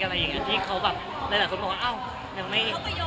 อะไรอย่างเงี้ที่เขาแบบหลายคนบอกว่าอ้าวยังไม่